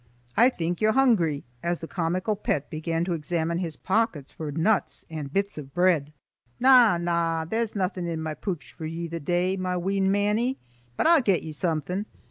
I think you're hungry,"—as the comical pet began to examine his pockets for nuts and bits of bread,—"Na, na, there's nathing in my pooch for ye the day, my wee mannie, but I'll get ye something."